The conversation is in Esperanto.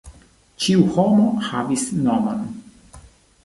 Ĉiu homo havis nomon.